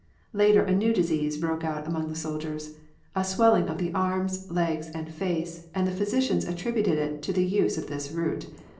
Later a new dis ease broke out among the soldiers — a swelling of the arms, legs, and face, and the physicians attributed it to the use of this root.